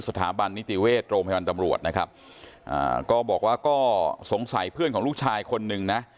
สถาบันนิติเวชโรงพยาบาลตำรวจนะครับอ่าก็บอกว่าก็สงสัยเพื่อนของลูกชายคนนึงนะ